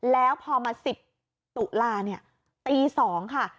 แล้วพอมา๑๐ตุลาเนี่ยตี๒ค่ะ